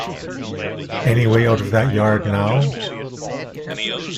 Any way out of that yard, now?